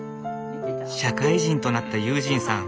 社会人となった悠仁さん。